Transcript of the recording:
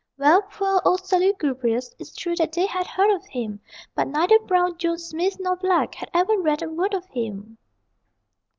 Well, poor old Solugubrious, It's true that they had heard of him; But neither Brown, Jones, Smith, nor Black Had ever read a word of him!